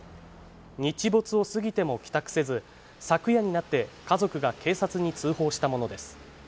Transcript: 日没を過ぎても帰宅せず、昨夜になって家族が警察に通報したものです。